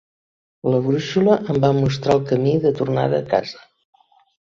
La brúixola em va mostrar el camí de tornada a casa.